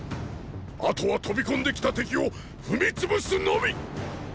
後は飛びこんで来た敵を踏み潰すのみ！！